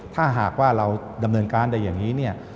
ถ้าหากว่าเราดำเนินการได้อย่างนี้เนี่ย